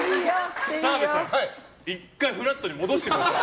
澤部さん１回フラットに戻してください。